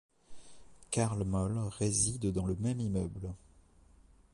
Carl Moll réside dans le même immeuble.